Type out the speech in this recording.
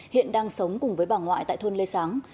hiện đang sống cùng với bà ngoại tại thôn lê sáng